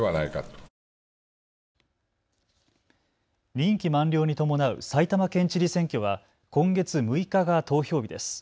任期満了に伴う埼玉県知事選挙は今月６日が投票日です。